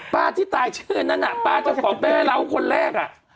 ป้าที่ตายชื่ออันนั้นน่ะป้าเจ้าของเป้เล้าคนแรกอ่ะ